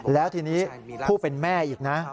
แล้วทีนี้ผู้เป็นแม่อีกนะ